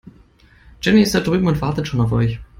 Jenny ist da drüben und wartet schon auf euch.